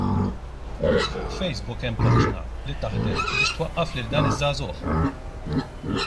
Fuq Facebook hemm paġna li taħdem biex twaqqaf lil dan iż-żagħżugħ.